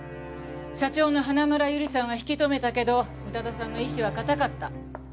社長の花村友梨さんは引き留めたけど宇多田さんの意志は固かった。